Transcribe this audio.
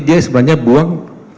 dia sebenarnya buang